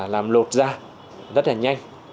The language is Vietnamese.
làm lột da rất là nhanh